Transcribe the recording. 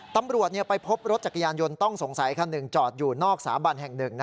ตำรวจไปพบรถจักรยานยนต์ต้องสงสัยคันหนึ่งจอดอยู่นอกสาบันแห่งหนึ่ง